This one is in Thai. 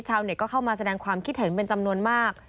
ชาวเน็ตก็เข้ามาแสดงความคิดเห็นเป็นจำนวนมาก